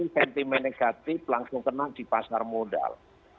sentimen negatif langsung kena di pasar modal